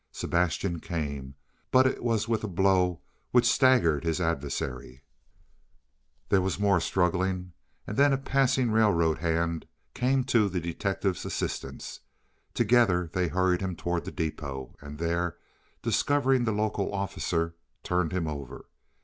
Sebastian came, but it was with a blow which staggered his adversary. There was more struggling, and then a passing railroad hand came to the detective's assistance. Together they hurried him toward the depôt, and there discovering the local officer, turned him over.